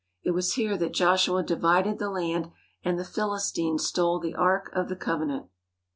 It was here that Joshua divided the land and the Philistines stole the Ark of the Covenant.